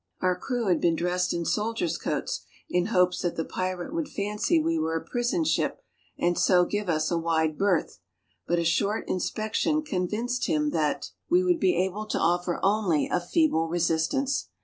Our crew had been dressed in soldiers' coats in hopes that the pirate would fancy we were a prison ship, and so give us a wide berth ; but a short inspection convinced him that SKETCHES OF TRAVEL we would be able to offer only a feeble resistance.